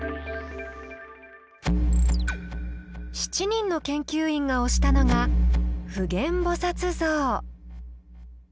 ７人の研究員が推したのが「普賢菩薩像」。